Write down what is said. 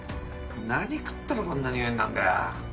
何食ったらこんな臭いになんだよ。